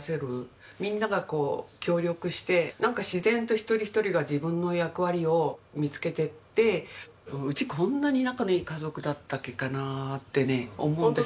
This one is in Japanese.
みんながこう協力してなんか自然と一人一人が自分の役割を見つけていって「うちこんなに仲のいい家族だったっけかな」ってね思うんですけど。